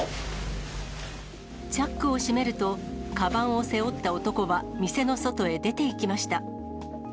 チャックを閉めると、かばんを背負った男は店の外へ出ていきました。